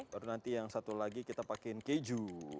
baru nanti yang satu lagi kita pakaiin keju